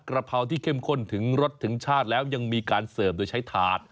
กระเพราที่เข้มข้นถึงรสถึงชาติแล้วยังมีการเสิร์ฟโดยใช้ถาด